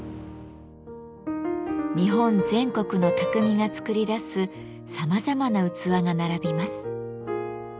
日本全国のたくみが作り出すさまざまな器が並びます。